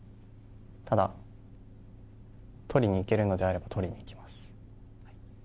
ただ、取りにいけるのであれば取りにいきます。